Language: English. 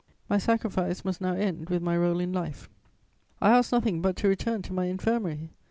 My sacrifice must now end with my role in life. I ask nothing but to return to my 'Infirmary.'